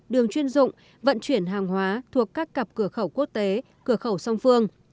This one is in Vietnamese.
đường chuyên dụng vận chuyển hàng hóa thuộc các cặp cửa khẩu quốc tế cửa khẩu song phương